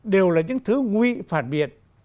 đều là những thứ nguy phản biệt